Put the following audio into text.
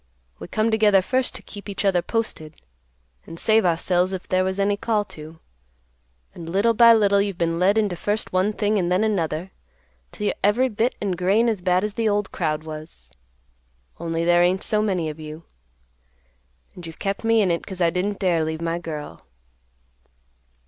We come together first to keep each other posted, and save ourselves if there was any call to, and little by little you've been led into first one thing and then another, 'till you're every bit and grain as bad as the old crowd was, only there ain't so many of you, and you've kept me in it 'cause I didn't dare leave my girl."